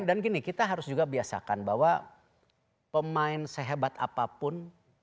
dan gini kita harus juga biasakan bahwa pemain sehebat apapun